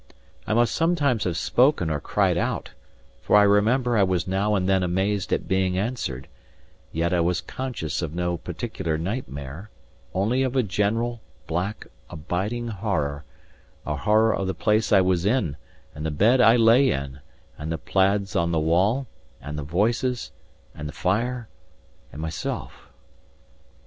I must sometimes have spoken or cried out, for I remember I was now and then amazed at being answered; yet I was conscious of no particular nightmare, only of a general, black, abiding horror a horror of the place I was in, and the bed I lay in, and the plaids on the wall, and the voices, and the fire, and myself.